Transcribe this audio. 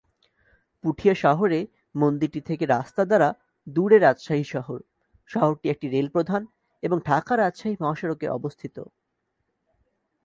পুঠিয়া শহরে মন্দিরটি থেকে রাস্তা দ্বারা দূরে রাজশাহী শহর; শহরটি একটি রেল প্রধান এবং ঢাকা রাজশাহী মহাসড়কে অবস্থিত।